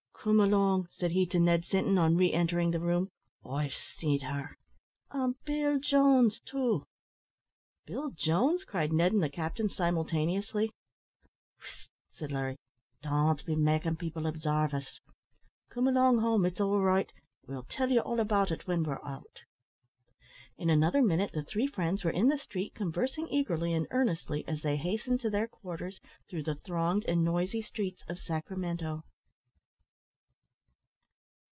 "Come along," said he to Ned Sinton, on re entering the room. "I've see'd her; an' Bill Jones, too!" "Bill Jones!" cried Ned and the captain simultaneously. "Whist!" said Larry; "don't be makin' people obsarve us. Come along home; it's all right I'll tell ye all about it when we're out." In another minute the three friends were in the street, conversing eagerly and earnestly as they hastened to their quarters through the thronged and noisy streets of Sacramento.